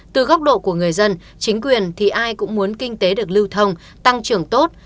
từ góc độ của người dân chính quyền thì ai cũng muốn kinh tế được lưu thông tăng trưởng tốt